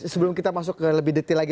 sebelum kita masuk ke lebih detail lagi